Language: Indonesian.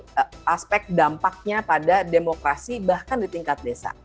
tapi kita harus hitung dari aspek dampaknya pada demokrasi bahkan di tingkat desa